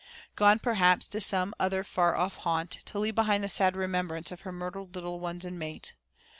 Gone, perhaps, to some other far off haunt to leave behind the sad remembrance of her murdered little ones and mate.